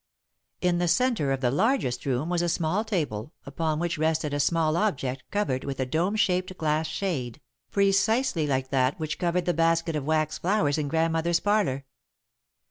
In the centre of the largest room was a small table, upon which rested a small object covered with a dome shaped glass shade, precisely like that which covered the basket of wax flowers in Grandmother's parlour.